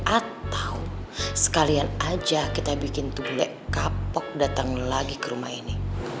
atau sekalian aja kita bikin tubek kapok datang lagi ke rumah ini